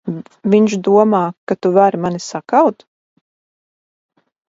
Viņš domā, ka tu vari mani sakaut?